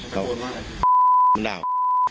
ก็บี๊บมันด่าบี๊บ